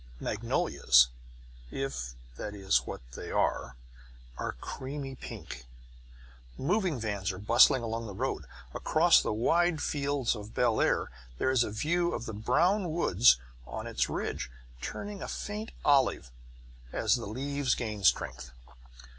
Magnolias (if that is what they are) are creamy pink. Moving vans are bustling along the road. Across the wide fields of Bellaire there is a view of the brown woods on the ridge, turning a faint olive as the leaves gain strength.